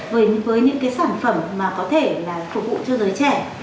với những cái sản phẩm mà có thể là phục vụ cho giới trẻ